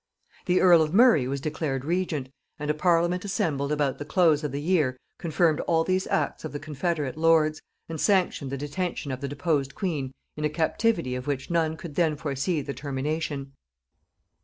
The earl of Murray was declared regent: and a parliament assembled about the close of the year confirmed all these acts of the confederate lords, and sanctioned the detention of the deposed queen in a captivity of which none could then foresee the termination.